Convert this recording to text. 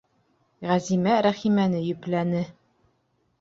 Ғәзимә Рәхимәне йөпләне: